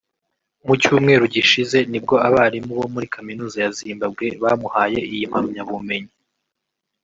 Mu cyumweru gishize nibwo abarimu bo muri Kaminuza ya Zimbabwe bamuhaye iyi mpamyabumenyi